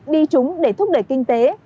đi chúng để thúc đẩy kinh tế